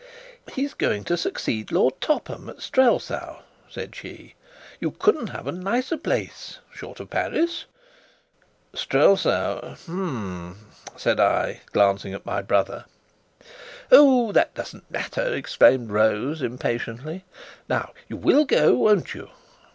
"He's going to succeed Lord Topham at Strelsau," said she. "You couldn't have a nicer place, short of Paris." "Strelsau! H'm!" said I, glancing at my brother. "Oh, that doesn't matter!" exclaimed Rose impatiently. "Now, you will go, won't you?"